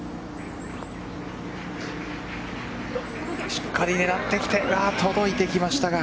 しっかり狙ってきて届いてきましたが。